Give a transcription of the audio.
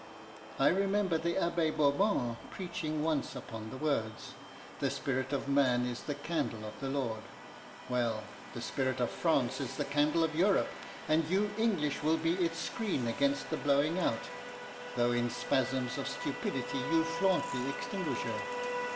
I remember of the Abbe Bobon preaching once upon the words, 'The spirit of man is the candle of the Lord'; well, the spirit of France is the candle of Europe, and you English will be its screen against the blowing out, though in spasms of stupidity you flaunt the extinguisher.